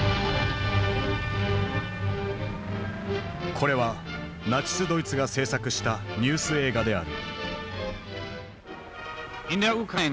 これはナチスドイツが制作したニュース映画である。